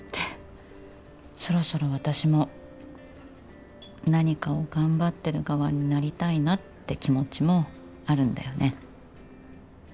そろそろ私も何かを頑張ってる側になりたいなって気持ちもあるんだよね。